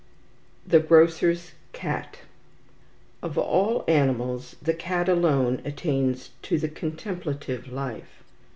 The Grocer's Cat "Of all animals, the cat alone attains to the Contemplative Life."